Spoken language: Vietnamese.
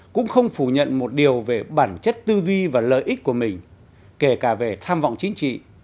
cũng không phủ nhận một điều về bản chất tư duy và lợi ích của mình kể cả về tham vọng chính trị